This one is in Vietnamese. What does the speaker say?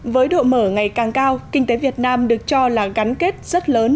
với độ mở ngày càng cao kinh tế việt nam được cho là gắn kết rất lớn